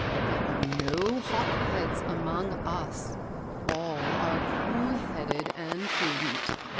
There are no hot heads among us. All are cool headed and prudent.